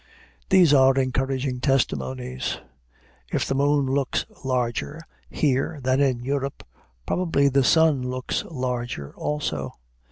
These are encouraging testimonies. If the moon looks larger here than in Europe, probably the sun looks larger also.